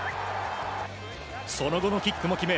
その後のキックも決め